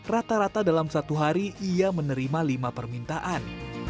rata rata dalam satu hari ia menerima lima permintaan